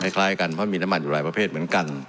คล้ายกันเพราะมีน้ำมันอยู่หลายประเภทเหมือนกัน